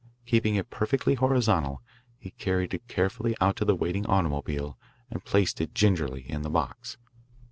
Keeping it perfectly horizontal he carried it carefully out to the waiting automobile and placed it gingerly in the box.